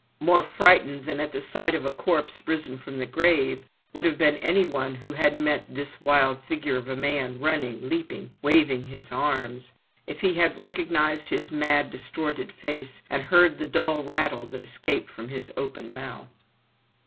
More frightened than at the sight of a corpse risen from the grave, would have been any one who had met this wild figure of a man running, leaping, waving his arms—if he had recognized his mad, distorted face, and heard the dull rattle that escaped from his open mouth.